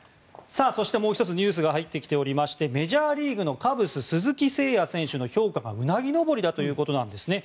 もう１つニュースが入ってきましてメジャーリーグのカブスカブス鈴木誠也選手の評価がうなぎ登りだということです。